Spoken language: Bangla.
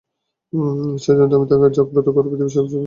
সে জানতো আমি তাকে জাগ্রত পৃথিবীর চেয়ে বেশি ভালোবাসি।